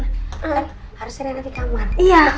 kan harusnya riana di kamar